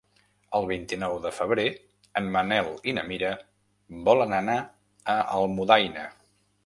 El vint-i-nou de febrer en Manel i na Mira volen anar a Almudaina.